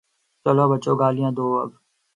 چلو بچو، گالیاں دو اب۔